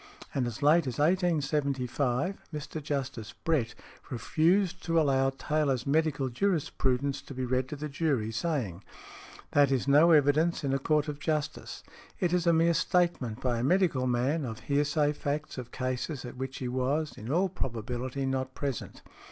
And as late as 1875, Mr. Justice Brett refused to allow Taylor's Medical Jurisprudence to be read to the jury, saying: "That is no evidence in a court of justice. It is a mere statement by a medical man of hearsay facts of cases at which he was, in all probability, not present.